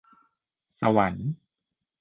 สวรรค์